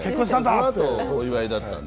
そのあとお祝いだったので。